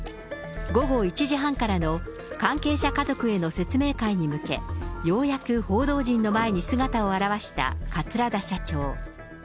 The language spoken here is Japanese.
午後１時半からの関係者家族への説明会に向け、ようやく報道陣の前に姿を現した桂田社長。